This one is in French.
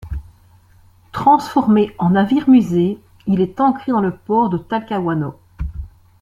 Transformé en navire musée, il est ancré dans le port de Talcahuano.